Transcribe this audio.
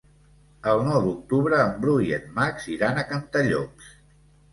El nou d'octubre en Bru i en Max iran a Cantallops.